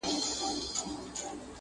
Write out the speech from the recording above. o په يوه گل نه پسرلى کېږي!